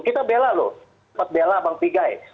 kita bela loh sempat bela bang pigai